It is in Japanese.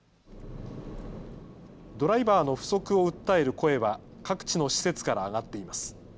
ドライバーの不足を訴える声は各地の施設から上がっています。